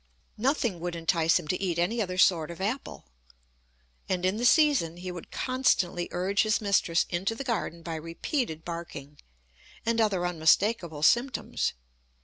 Nothing would entice him to eat any other sort of apple. And in the season he would constantly urge his mistress into the garden by repeated barking, and other unmistakable symptoms.